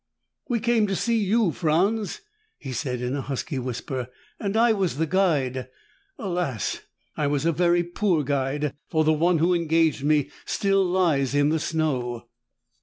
"We came to see you, Franz," he said in a husky whisper, "and I was the guide. Alas, I was a very poor guide, for the one who engaged me still lies in the snow!"